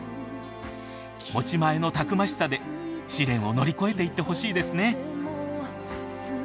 持ち前のたくましさで試練を乗り越えていってほしいですね。